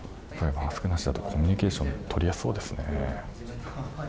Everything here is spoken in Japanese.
マスクなしだとコミュニケーションとりやすそうですね。